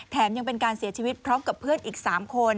ยังเป็นการเสียชีวิตพร้อมกับเพื่อนอีก๓คน